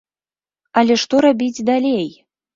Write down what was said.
Але што рабіць далей?